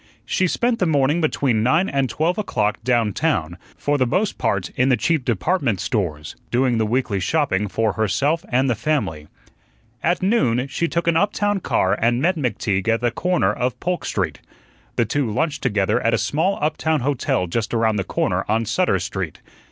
She spent the morning between nine and twelve o'clock down town, for the most part in the cheap department stores, doing the weekly shopping for herself and the family. At noon she took an uptown car and met McTeague at the corner of Polk Street. The two lunched together at a small uptown hotel just around the corner on Sutter Street.